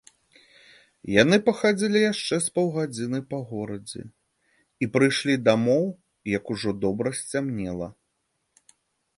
Яны пахадзілі яшчэ з паўгадзіны па горадзе і прыйшлі дамоў, як ужо добра сцямнела.